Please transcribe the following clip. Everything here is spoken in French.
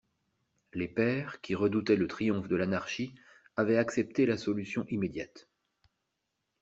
Les Pairs, qui redoutaient le triomphe de l'anarchie, avaient accepté la solution immédiate.